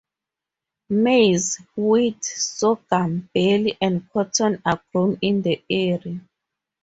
Maize, wheat, sorghum, barley and cotton are grown in the area.